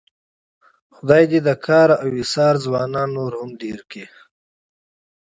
خدای دې د کار او ایثار زلمي نور هم ډېر کړي.